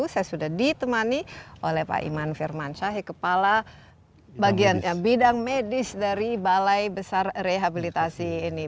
saya sudah ditemani oleh pak iman firmansyah kepala bagian bidang medis dari balai besar rehabilitasi ini